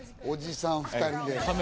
おじさん２人で。